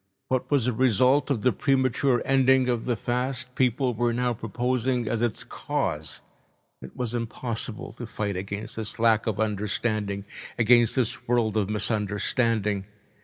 What was a result of the premature ending of the fast people were now proposing as its cause! It was impossible to fight against this lack of understanding, against this world of misunderstanding.